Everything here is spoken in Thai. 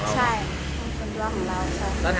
ใช่ส่วนตัวของเราใช่